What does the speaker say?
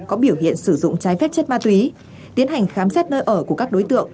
có biểu hiện sử dụng trái phép chất ma túy tiến hành khám xét nơi ở của các đối tượng